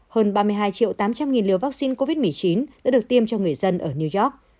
hơn ba mươi hai triệu tám trăm linh nghìn liều vaccine covid một mươi chín đã được tiêm cho người dân ở new york